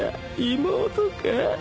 妹か？